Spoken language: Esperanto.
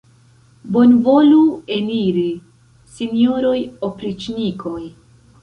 Bonvolu eniri, sinjoroj opriĉnikoj!